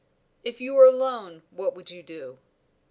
"If you were alone what would you do?"